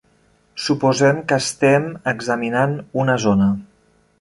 Suposem que estem examinant una zona.